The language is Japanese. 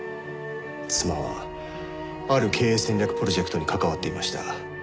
妻はある経営戦略プロジェクトに関わっていました。